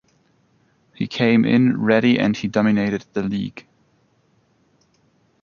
He came in ready and he dominated the league.